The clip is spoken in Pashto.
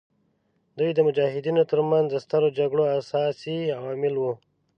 دوی د مجاهدینو تر منځ د سترو جګړو اساسي عوامل وو.